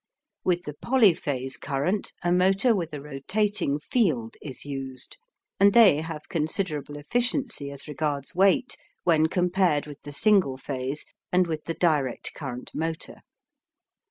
With the polyphase current a motor with a rotating field is used, and they have considerable efficiency as regards weight when compared with the single phase and with the direct current motor.